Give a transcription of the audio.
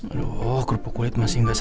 aduh kerupuk kulit masih gak selesai